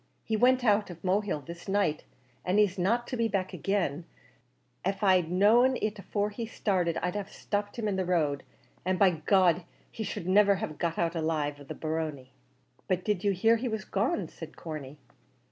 He went away out of Mohill this night, an' he's not to be back agin; av I'd known it afore he started I'd have stopped him in the road, an' by G d he should niver have got alive out of the barony." "But did you hear he was gone?" said Corney.